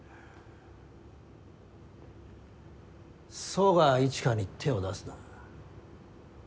十川一華に手を出すな。